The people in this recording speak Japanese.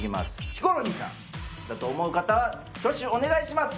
ヒコロヒーさんだと思う方は挙手お願いします